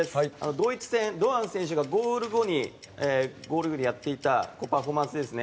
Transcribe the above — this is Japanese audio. ドイツ戦、堂安選手がゴール後にやっていたパフォーマンスですね。